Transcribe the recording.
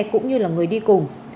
cũng như là người đi cùng